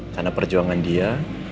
karena perjuangan dia